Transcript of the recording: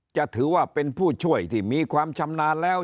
จะถือว่าเป็นผู้ช่วยที่มีความชำนาญแล้ว